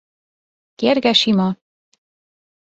Kérge sima.